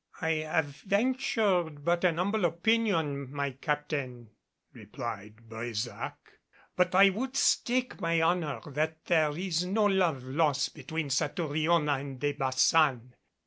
"I have ventured but an humble opinion, my Captain," replied Brésac, "but I would stake my honor that there is no love lost between Satouriona and De Baçan."